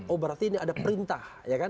oh berarti ini ada perintah